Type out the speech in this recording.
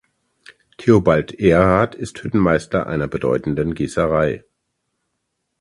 Theobald Ehrhardt ist Hüttenmeister einer bedeutenden Gießerei.